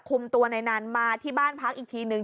คุมตัวในนั้นมาที่บ้านพักอีกทีนึง